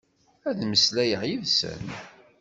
Ad mmeslayeɣ yid-sen?